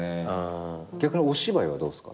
逆にお芝居はどうですか？